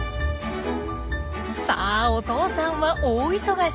さあお父さんは大忙し。